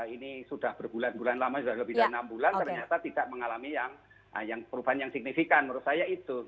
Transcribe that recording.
ini sudah berbulan bulan lama sudah lebih dari enam bulan ternyata tidak mengalami perubahan yang signifikan menurut saya itu